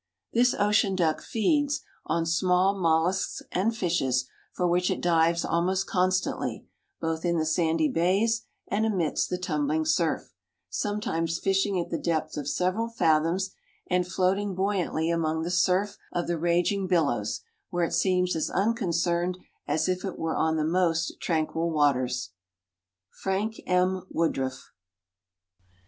This ocean duck feeds "on small mollusks and fishes, for which it dives almost constantly, both in the sandy bays and amidst the tumbling surf, sometimes fishing at the depth of several fathoms and floating buoyantly among the surf of the raging billows, where it seems as unconcerned as if it were on the most tranquil waters." Frank M. Woodruff.